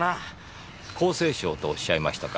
厚生省とおっしゃいましたか？